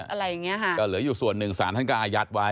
อันดับนี้จะเหลืออยู่ส่วนหนึ่งสารท่านก็อายัดไว้